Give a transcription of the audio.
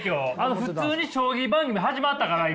普通に将棋番組始まったから今。